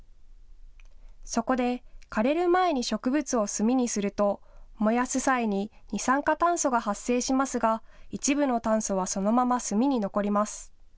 そこで枯れる前に植物を炭にすると燃やす際に二酸化炭素が発生しますが、一部の炭素はそのまま炭に残ります。